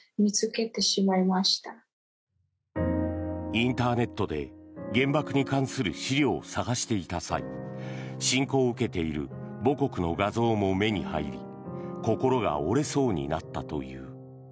インターネットで原爆に関する資料を探していた際侵攻を受けている母国の画像も目に入り心が折れそうになったという。